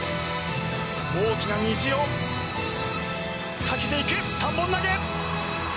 大きな虹をかけていく３本投げ。